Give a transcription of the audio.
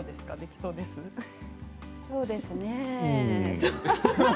そうですね。